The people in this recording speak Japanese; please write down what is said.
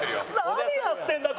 何やってんだよ